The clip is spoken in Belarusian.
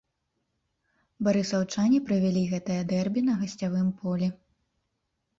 Барысаўчане правялі гэтае дэрбі на гасцявым полі.